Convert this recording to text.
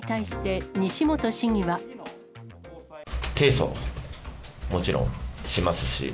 提訴、もちろんしますし。